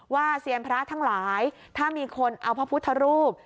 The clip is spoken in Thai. เซียนพระทั้งหลายถ้ามีคนเอาพระพุทธรูป